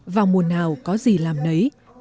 vào mùa nào có gì làm nấy